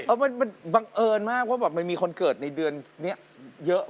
มันบังเอิญมากว่าแบบมันมีคนเกิดในเดือนนี้เยอะ